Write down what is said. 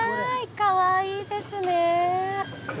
かわいいですね。